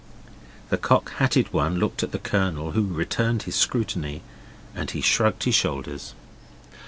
The Cocked Hatted One looked at the Colonel, who returned his scrutiny, then he shrugged his shoulders.